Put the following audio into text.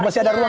masih ada ruang